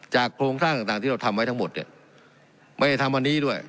โครงสร้างต่างที่เราทำไว้ทั้งหมดเนี่ยไม่ได้ทำวันนี้ด้วย